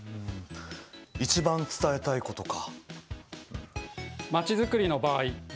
一番伝えたいことか。